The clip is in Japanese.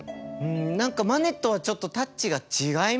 ん何かマネとはちょっとタッチが違いますね。